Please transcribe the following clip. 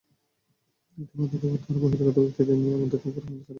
এতে বাধা দেওয়ায় তাঁরা বহিরাগত ব্যক্তিদের নিয়ে আমাদের ওপর হামলা চালান।